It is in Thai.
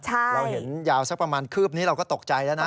เราเห็นยาวสักประมาณคืบนี้เราก็ตกใจแล้วนะ